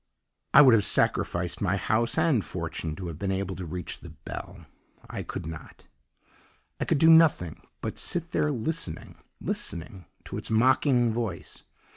"I would have sacrificed my house and fortune to have been able to reach the bell. I could not. I could do nothing but sit there listening listening to its mocking voice.